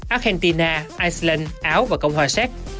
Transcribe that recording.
argentina iceland áo và cộng hòa séc